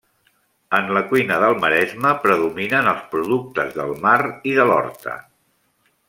En la cuina del Maresme predominen els productes del mar i de l'horta.